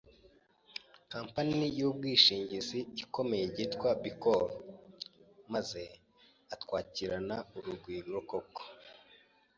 company y’ubwishingizi ikomeye yitwa BUCOR, maze atwakirana urugwiro koko.